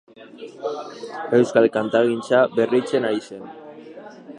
Euskal kantagintza berritzen ari zen.